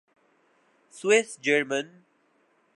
Swiss German